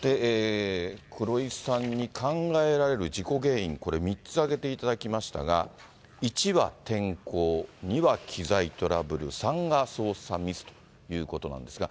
黒井さんに考えられる事故原因、これ３つ挙げていただきましたが、１は天候、２は機材トラブル、３が操作ミスということなんですが。